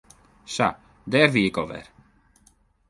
Sa, dêr wie ik al wer.